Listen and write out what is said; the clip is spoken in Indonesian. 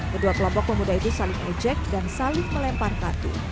kedua kelompok pemuda itu saling ejek dan saling melempar batu